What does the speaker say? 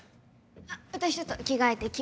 あっ私ちょっと着替えて来ます。